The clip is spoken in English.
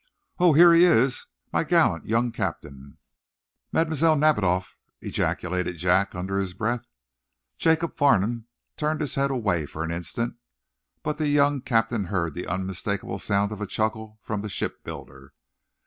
"Oh, here he is my gallant young captain." "Mlle. Nadiboff!" ejaculated Jack, under his breath. Jacob Farnum turned his head away for an instant, but the young captain heard the unmistakable sound of a chuckle from the shipbuilder.